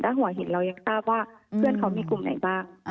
หัวหินเรายังทราบว่าเพื่อนเขามีกลุ่มไหนบ้าง